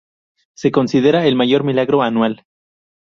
Se considera el mayor milagro anual.